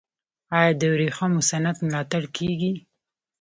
آیا د ورېښمو صنعت ملاتړ کیږي؟